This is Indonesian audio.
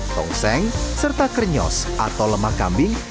tongseng serta krenyos atau lemak kambing